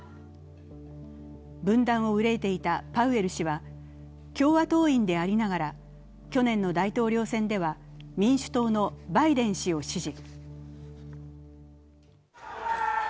分断を憂えていたパウエル氏は、共和党員でありながら去年の大統領選では民主党のバイデン氏を支持。